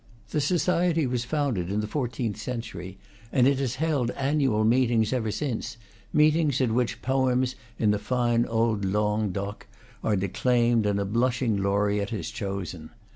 The society was founded in the fourteenth century, and it has held annual meetings ever since, meetings at which poems in the fine old langue d'oc are declaimed and a blushing laureate is chosen.